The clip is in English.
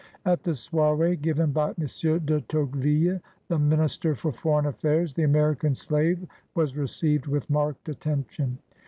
At the soiree given by M. de Tocqueville, the Minister for Foreign Affairs, the American slave was received with marked attention.